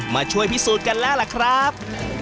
มาช่วยพิสูจน์กันแล้วล่ะครับ